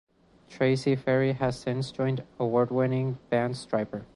Tracy Ferrie has since joined award-winning band Stryper.